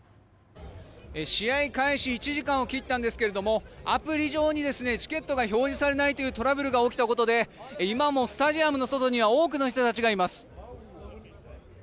試合開始１時間を切ったんですけれどもアプリ上にチケットが表示されないというトラブルが起きたことで今もスタジアムの外には多くの人たちがいます。